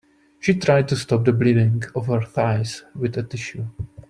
She tried to stop the bleeding of her thighs with a tissue.